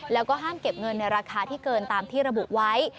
แล้วก็ห้ามเก็บเงินในราคาที่เกินตามที่ระบุไว้